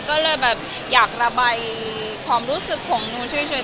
ก็เลยแบบอยากระบายความรู้สึกของหนูเฉย